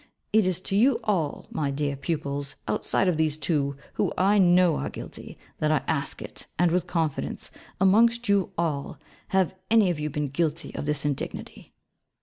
It is to you all, my dear pupils, outside of these two, who I know are guilty, that I ask it, and with confidence amongst you all, have any of you been guilty of this indignity?'